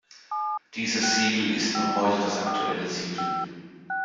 Dieses Siegel ist noch heute das aktuelle Siegel.